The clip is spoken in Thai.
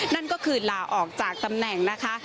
นั่นก็คือลาออกจากตำแหน่งนะคะ